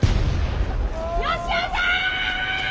吉雄さん！